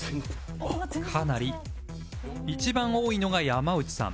かなり一番多いのが山内さん